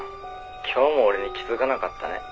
今日も俺に気づかなかったね」